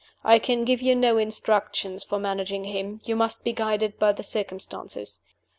I can give you no instructions for managing him you must be guided by the circumstances.